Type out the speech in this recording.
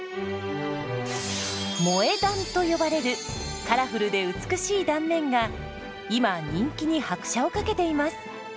「萌え断」と呼ばれるカラフルで美しい断面が今人気に拍車をかけています。